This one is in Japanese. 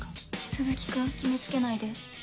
鈴木君決め付けないで。